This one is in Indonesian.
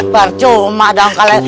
bercuma dong kalian